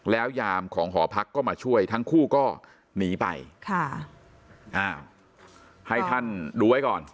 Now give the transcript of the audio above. แล้วยามของหอพักก็มาช่วยทั้งคู่ก็หนีไปค่ะอ่าให้ท่านดูไว้ก่อน